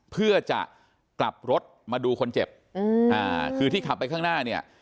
เพื่อจะกลับรถมาดูคนเจ็บอืมอ่าคือที่ขับไปข้างหน้าเนี่ย